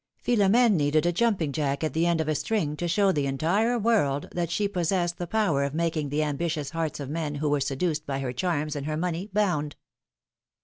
Philom^ne needed a jumping jack at the end of a string, to show the entire world that she possessed the power of making the ambitious hearts of men who were seduced by her charms and her money, bound.